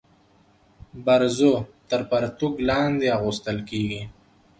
برزو تر پرتوګ لاندي اغوستل کيږي.